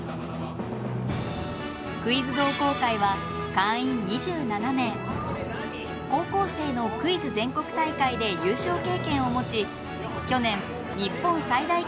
クイズ同好会は高校生のクイズ全国大会で優勝経験を持ち去年日本最大規模の早押し